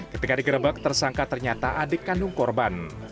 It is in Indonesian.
ketika digerebek tersangka ternyata adik kandung korban